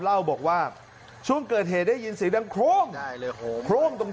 เล่าบอกว่าช่วงเกิดเหตุได้ยินเสียงได้เลยโค้งตรงทางโค้งครับ